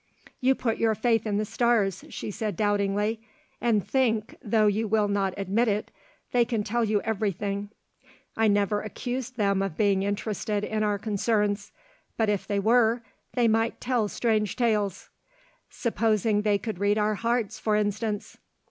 "You put your faith in the stars," she said doubtingly, "and think, though you will not admit it, they can tell you everything." "I never accused them of being interested in our concerns; but if they were, they might tell strange tales. Supposing they could read our hearts for instance?"